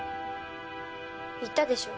言ったでしょ